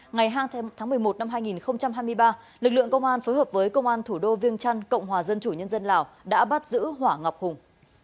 ngày hai tháng một mươi một năm hai nghìn hai mươi ba lực lượng công an phối hợp với công an thủ đô viêng trăn cộng hòa dân chủ nhân dân lào đã bắt giữ hỏa ngọc hùng